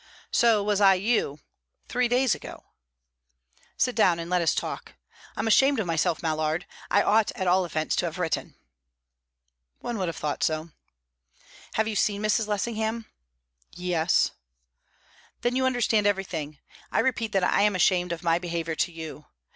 "So was I you three days ago." "Sit down, and let us talk. I'm ashamed of myself, Mallard. I ought at all events to have written." "One would have thought so." "Have you seen Mrs. Lessingham?" "Yes." "Then you understand everything. I repeat that I am ashamed of my behaviour to you.